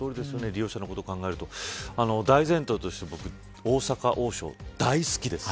利用者のことを考えると大前提として大阪王将、大好きです。